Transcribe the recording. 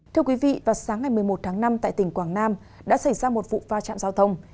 thưa quý vị vào sáng ngày một mươi một tháng năm tại tỉnh quảng nam đã xảy ra một vụ pha chạm giao thông